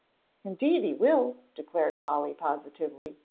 "Indeed he will," declared Polly, positively.